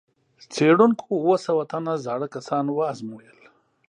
څېړونکو اووه سوه تنه زاړه کسان وازمویل.